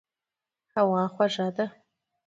هوا خوږه ده.